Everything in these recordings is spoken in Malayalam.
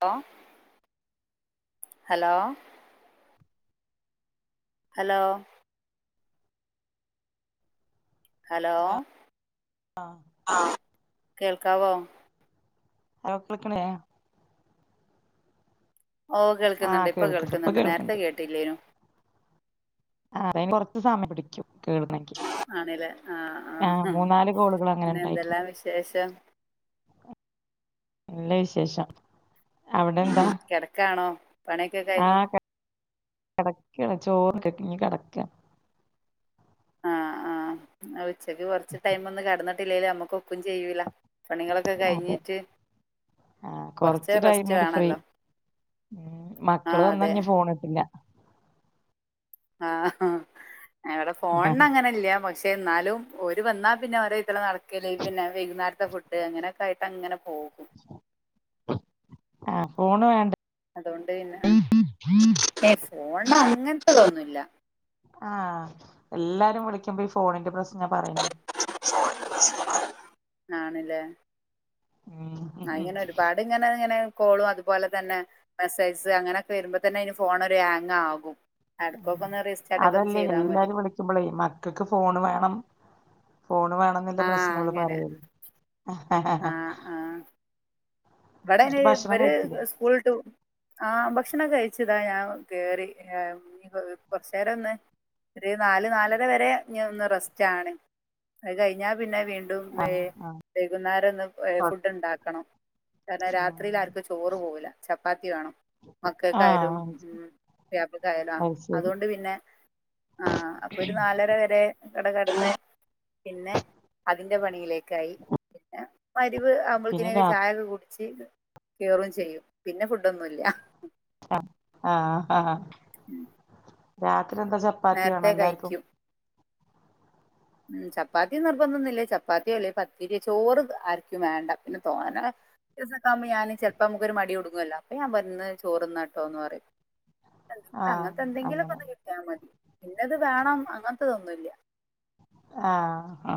ഹലോ ഹലോ ഹലോ ഹലോ ആഹ് കേൾക്കാവോ അപ്പളിക്കനേ ഓ കേൾക്കുന്നുണ്ട് ആഹ് ഇപ്പൊ കേൾക്കണ്ട് കേൾക്കുന്നുണ്ട് നേരത്തെ കേൾക്കണ്ട് കേട്ടില്ലേനു ആ അറയാൻ കൊറച്ച് സമയം പിടിക്കും കേൾക്കണെങ്കി ആണല്ലേ ആഹ് ആ മൂന്നാല് കോളുകൾ അങ്ങനെ പിന്നെ ഉണ്ടായിട്ടുണ്ട് എന്തെല്ലാം വിശേഷം നല്ല വിശേഷം അവിടെ എന്താ കെടക്കാണോ പണിക്കെ കഴിഞ്ഞ് കെടക്കല്ല ചോറ് ഉണ്ട്ട്ട് ഇനി കെടക്ക ആഹ് ആഹ് അ ഒ ഉച്ചയ്ക്ക് കുറച്ച് ടൈം ഒന്ന് കെടന്ന് കിട്ടിലേലും അമ്മുക്ക് ഒക്കും ചെയ്യൂല പണികളൊക്കെ അതെ കഴിഞ്ഞിട്ട് ആഹ് കുറച്ച് കൊറച്ച് ടൈം റെസ്റ്റ് ഒരു ഫ്രീ വേണല്ലോ ഉം ആ മക്കള് വന്ന് അതെ കഴിഞ്ഞാൽ ഫോണിട്ടില്ല ആഹ് ഇവിടെ ഫോണിനങ്ങനെ ഇല്ല മൊയ് പക്ഷെ എന്നാലും ഓര് വന്നാ പിന്നെ ഓരോവിധത്തല് നടക്കല് പിന്നെ വൈകുന്നേരത്തെ ഫുഡ് അങ്ങനൊക്കെ ആയിട്ട് അങ്ങനെ പോകും ആഹ് ഫോണ് വേണ്ടപ്പോ അതുകൊണ്ട് പിന്നെ ഏയ് ഫോൺൻ്റെ ആവ അങ്ങനത്തെതോന്നുല്ല ആഹ് എല്ലാരും വിളിക്കുമ്പോ ഈ ഫോണിന്റെ പ്രശ്നാ പറയണേ [unintelligible] [inaudible] ആണല്ലേ ഉം അതിങ്ങനെ ഒരുപാട് ഇങ്ങനെ ഇങ്ങനെ കോളും അതുപോലെ തന്നെ മെസ്സേജസ് അങ്ങനെക്കെ വരുമ്പോ തന്നെ ഫോൺ ഒരു ഹാങ് ആകും ഉം ഇടയ്ക്കൊക്കെ ഒന്ന് റീസ്റ്റാർട്ട് ഒക്കെ ഒന്ന് അതല്ലേ ചെയ്താൽ മതി എല്ലാരും വിളിക്കുമ്പോളേ മക്കൾക്ക് ഫോണ് വേണം ഫോണ് വേണന്നുള്ള ആ പ്രശ്നോളള് അങ്ങനെ പറയല് ഹഹഹ ഇവിടെയാണേൽ ഇവര് സ്കൂള് വിട്ട് ആഹ് ഭക്ഷണം കഴിച്ചതാ ഞാൻ കേറി കുറച്ച് നേരം ഒന്ന് ഒരു നാലുനാലര വരെ ഇനിയൊന്ന് റെസ്റ്റ് ആണ് അത് കഴിഞ്ഞ പിന്നെ വീണ്ടും ആഹ് ആഹ് വൈകുന്നേരം ഇന്ന് ഫുഡ് ഉണ്ടാക്കണം കാരണം രാത്രിൽ ആഹ് ആർക്കും ചോറ് പോവില്ല ചപ്പാത്തി വേണം മക്കൾക്കായാലും ആഹ് പുയ്യാപ്ളക്കായാലും ആഹ് അത് ശരി അതുകൊണ്ട് പിന്നെ ആഹ് അപ്പൊ ഒരു നാലര വരെ കട കടന്ന് പിന്നെ അതിന്റെ പണിയിലേക്ക് കായി വരവ് പിന്നെ ഇനി രാ ചായയൊക്കെ കേറും ചെയ്യും പിന്നെ ഫുഡൊന്നുമില്ല ആഹ് ആഹ് ആഹ് ഉം [unintelligible] രാത്രി എന്താ ചപ്പാത്തി ആണോ എല്ലാവർക്കും ഉം ചപ്പാത്തി നിർബന്ധം ഒന്നുമില്ല ചപ്പാത്തിയോ അല്ലേ പത്തിരിയോ ചോറ് ആർക്കും വേണ്ട പിന്നെ തോനെ ദിവസമൊക്ക ആകുമ്പോൾ ഞാൻ ചിലപ്പോ നമുക്കൊരു മടി തുടുങ്ങുവല്ലോ അപ്പൊ ഞാൻ പറയും ഇന്ന് ചോറ് തിന്ന് കേട്ടോന്ന് പറയും എന്തല്ലാ ആഹ് അങ്ങനത്തെ എന്തെങ്കിലുമൊക്കെ അങ്ങനെ ഒന്ന് കിട്ടിയാൽ മതി ഇന്നത് വേണം അങ്ങനത്തേതൊന്നുമില്ല ആഹ്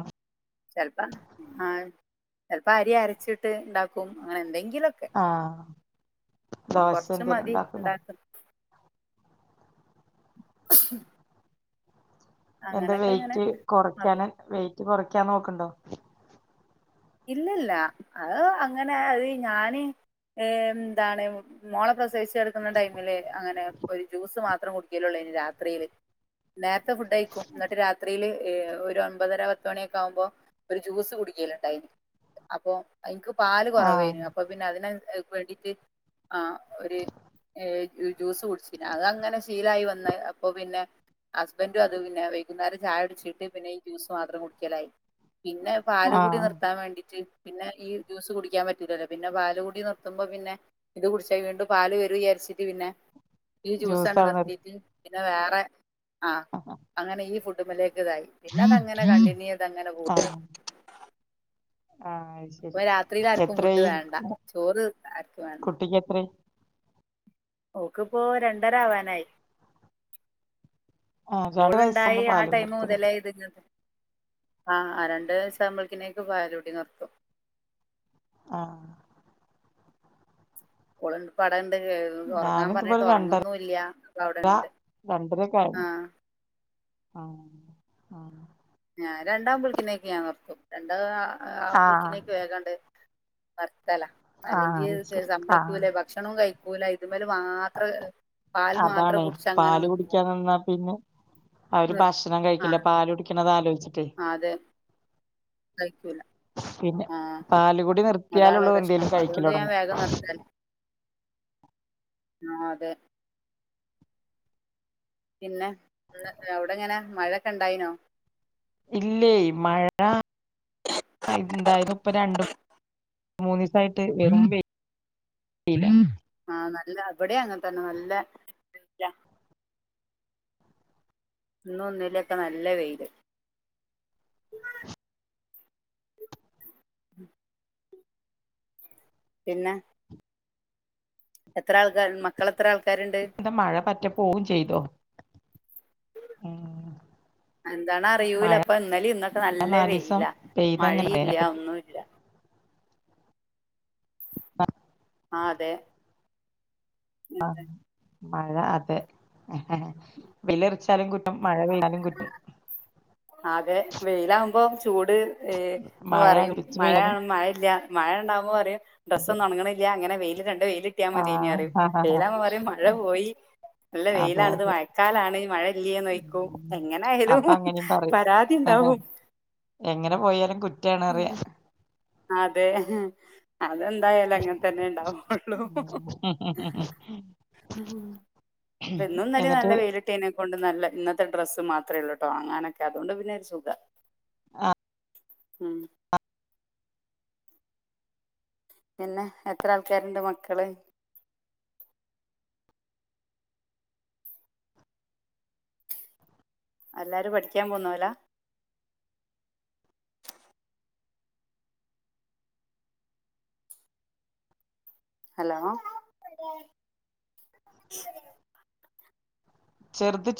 ചൽപ്പ അരി അരച്ചിട്ട് ഇണ്ടാക്കും അങ്ങനെ എന്തെ ആഹ് ദോശ കുറച്ച് എന്തേലും മതി ഉണ്ടാക്കുലേ ഉണ്ടാക്കും [unintelligible] എന്റെ അങ്ങനൊക്കെ അങ്ങനെ വെയിറ്റ് ആകും കുറക്ക്യാന് വെയിറ്റ് കൊറ ക്ക്യാൻ നോക്കുണ്ടോ ഇല്ലല്ല അത് അങ്ങനെ അത് ഞാന് എന്താണ് മോളെ പ്രസവിച്ച് കിടക്കുന്ന ടൈമില് അങ്ങനെ ഒരു ജ്യൂസ് മാത്രം കുടിക്കലേയുള്ളോനി രാത്രിയില് നേരത്തെ ഫുഡ് കഴിക്കും എന്നിട്ട് രാത്രിയില് ഏഹ് ഒരു ഒമ്പതര പത്ത് മണിയൊക്കെ ആവുമ്പോ ഒരു ജ്യൂസ് കുടിക്കലുണ്ടായിനി അപ്പം ഇൻക്ക് പാല് ആഹ് കുറവേനു അപ്പം പിന്നെ അതിന് വേണ്ടീട്ട് ആ ഒരു ജ്യൂസ് കുടിച്ചി നി അത് അങ്ങനെ ശീലായി വന്ന് അപ്പൊ പിന്നെ ഹസ്ബൻഡും അത് പിന്നെ വൈകുന്നേരം ചായ കുടിച്ചിട്ട് പിന്നെ ഈ ജ്യൂസ് മാത്രം കുടിക്കലായി പിന്നെ പാലുകുടി ആഹ് നിർ ത്താൻ വേണ്ടീട്ട് പിന്നെ ഈ ജ്യൂസ് കുടിക്കാൻ പറ്റൂല്ലല്ലോ പിന്നെ പാലു കുടി നിർത്തുമ്പം പിന്നെ ഇത് കുടിച്ചാൽ വീണ്ടും പാല് വരും വിചാരിച്ചിട്ട് പിന്നെ ഈ ജ്യൂസ് ആണ്ട് ജ്യൂസാണോ നിർ നിർത്തീട്ട് പിന്നെ വേറെ ആ ആഹ് അങ്ങനെ ഈ ഫു ത് മ്മല് [unintelligible] തായി പിന്നെ അതങ്ങനെ കണ്ടിന്യു അതങ്ങനെ പോയി ആഹ് അത് അപ്പൊ ശരി രാത്രിയില് ആർക്കും ഫുഡ് എത്രായി വേണ്ട ചോറ് ആർക്കും വേണ്ട കുട്ടിക്ക് എത്രായി ഓക്കിപ്പോ രണ്ടര ആവാനായി ആഹ് രണ്ട് വയസ്സാകുമ്പോ ഓളുണ്ടായി ആ പാല് ടൈമ് നിർത്തൂല്ലേ മുതലെ ഇതിങ്ങ ആഹ് രണ്ട് വയസ്സാമ്പൽക്കനേക്ക് പാലുടി നിർത്തും ആഹ് ഓള്ണ്ട് പടൻ ണ്ട് [unintelligible] ഒറങ്ങാൻപറഞ്ഞിട്ട് ഞാനിതുപോലെ രണ്ടര ഒറങ്ങൊന്നൂല്ല്യ അപ്പഅവിടെണ്ട് രണ്ടരൊക്കെ ആയി ആഹ് ആഹ് ആഹ് ഞാൻ രണ്ടാവുംമ്പൾക്കിനേക്ക് ഞാൻ നിർത്തും രണ്ടാ ആ ആഹ് ആമ്പളിക്കിനേക്ക് വേഗാണ്ട് അർ- തെല ആഹ് അല്ലെങ്കി അത് സമ്മയ്ക്കൂലെ ഭക്ഷണവും കഴി ക്കൂല ഇതും അതാണി കുടിച്ച് അങ്ങനെ പാല് നിക്കും കുടിക്കാൻനിന്നാ പിന്നെ അവര് ഭക്ഷണം കഴിക്കില്ല പാല് കുടിക്കണത് ആലോ ആ അതെ കയ്ക്കൂല പിന്നെ ആഹ് പാലുകുടി അതാണ് നിർത്തിയാലുള്ളൂ പ്രശ്നം എന്തേലും കഴിക്കല് അതുകൊണ്ട് ഞാൻ തൊടങ്ങും വേഗം നിർത്തല് ആ അതെ പിന്നെ ന്ന് അവിടെങ്ങന മഴയൊക്കെ ഇണ്ടായ്നോ ഇല്ലേ മഴ ഇണ്ടായിരുന്നു ഇപ്പൊ രണ്ട് മൂന്നീസായിട്ട് പെയ്തീല്ല ആ നല്ല അവിടെ അങ്ങനെതന്നെ നല്ല ഇന്നു ഇന്നിലൊക്കെ നല്ല വെയില് പിന്നെ എത്ര ആൾക്കാര് മക്കളെത്ര ആൾ എന്താ മഴ പറ്റ പോവും ചെയ്തോ ഉം എന്താണ് അറിയൂല മഴ അപ്പൊ ഇന്നലും ഇന്നക്കെ നല്ല നാലീസം വെയില പെയ്തങ്ങനെ മഴയില്ല്യ അതിനെപ്പറ്റി ഒന്നൂല്ല്യ ആഹ് ആഹ് അതെ ആഹ് മഴ അതെ വില എറിച്ചാലും കു മഴപെയ അതെ വെയിലാവു മ്പൊ ചൂട് എന്ന് മഴ പറയും അടിച്ചു മഴയാണ പെയ്താലും മഴയില്ല്യ മഴ ഇണ്ടാവുമ്പൊപറയും അതെ ഡ്രസ്സൊന്നും ഒണങ്ങണില്ല ഇങ്ങനെ വെയി നല്ല വെയിലിട്ടിയാമതിന്ന് പറയും ആഹ് വെയിലാബ പറയും മഴ പോയി നല്ല അതെ വെയിലാണിത് അതെ മഴക്കാലാണ് മഴ ഇല്ല്യേന്ന് ചോയിക്കും ഉം എങ്ങനെനായാലും അപ്പ അങ്ങനിം പറിം പരാതി ഇണ്ടാവും റ്റാണറിയ അതെ അ അതെന്തായാലും അങ്ങനെ തന്നെ ഉണ്ടാവുള്ളൂ ഉം ഇന്നും ഇന്നലേം എന്നിട്ട് നല്ല വെയില് കിട്ടീന് നല്ല ഇന്നത്തെ ഡ്രസ്സ് മാത്രേ ഉള്ളുട്ടോ ഒണങ്ങാനൊക്കെ അതുകൊണ്ട് പിന്നെ സുഖ ആഹ് ഉം പിന്നെ എത്ര ആൾക്കാരുണ്ട് മക്കള്? എല്ലാരും പഠിക്കാൻ പോകുന്നോലാ? ഹലോ ചെറുത്